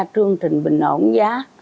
chương trình bình ổn giá